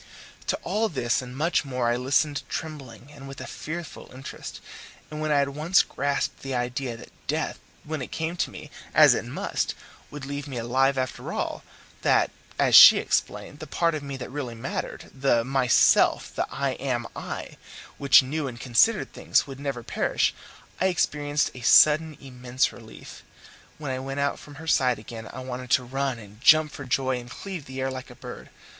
To all this and much more I listened trembling, with a fearful interest, and when I had once grasped the idea that death when it came to me, as it must, would leave me alive after all that, as she explained, the part of me that really mattered, the myself, the I am I, which knew and considered things, would never perish, I experienced a sudden immense relief. When I went out from her side again I wanted to run and jump for joy and cleave the air like a bird.